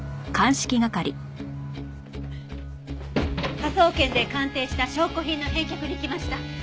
科捜研で鑑定した証拠品の返却に来ました。